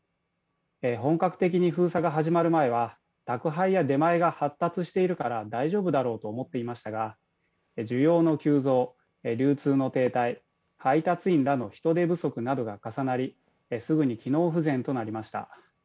本格的に封鎖が始まる前は宅配や出前が発達しているから大丈夫だろうと思っていましたが、需要の急増、配達員の不足などもありすぐに機能不全となりました。